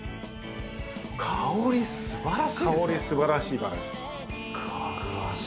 香りすばらしいバラです。